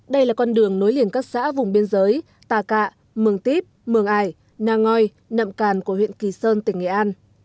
đây là con đường nối liền các xã vùng biên giới tà cạ mường tiếp mường ải na ngoi nậm càn của huyện kỳ sơn tỉnh nghệ an